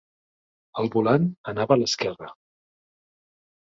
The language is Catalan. El volant anava a l'esquerra.